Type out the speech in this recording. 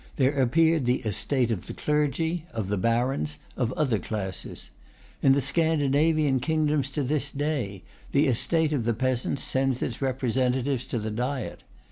There appeared the estate of the clergy, of the barons, of other classes. In the Scandinavian kingdoms to this day, the estate of the peasants sends its representatives to the Diet.